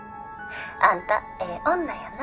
あんたええ女やな。